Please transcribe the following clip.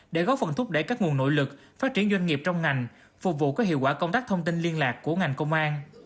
để góp phần thúc đẩy các nguồn nội lực phát triển doanh nghiệp trong ngành phục vụ các hiệu quả công tác thông tin liên lạc của ngành công an